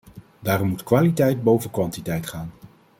Daarom moet kwaliteit boven kwantiteit gaan!